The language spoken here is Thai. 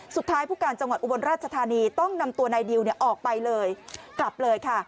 ผู้การจังหวัดอุบลราชธานีต้องนำตัวนายดิวออกไปเลยกลับเลยค่ะ